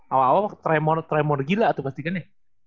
awal awal tremor tremor gila tuh pastikan ya